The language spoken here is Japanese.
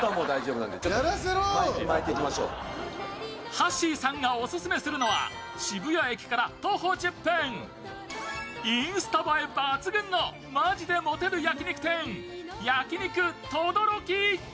はっしーさんがオススメするのは渋谷駅から徒歩１０分インスタ映え抜群の本気でモテる焼き肉店、焼肉とどろき。